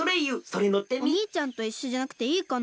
おにいちゃんといっしょじゃなくていいかなあ。